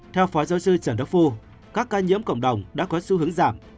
theo phó giáo sư trần đức phu các ca nhiễm cộng đồng đã có xu hướng giảm